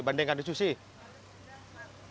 dibandingkan di sushi